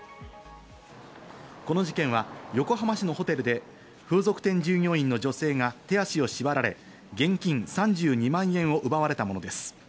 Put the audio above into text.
この事件は横浜市のホテルで風俗店従業員の女性が手足を縛られ、現金３２万円を奪われたものです。